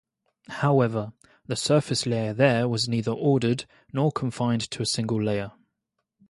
However, the surface layer there was neither ordered, nor confined to a single layer.